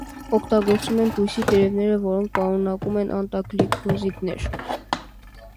Օգտագործվում են բույսի տերևները, որոնք պարունակում են անտրագլիկոզիդներ։